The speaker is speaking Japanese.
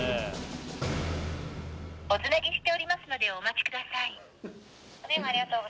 ☎「おつなぎしておりますのでお待ちください」